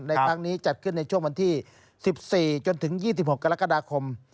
ในครั้งนี้จัดขึ้นในช่วงวันที่๑๔จนถึง๒๖กรกฎาคม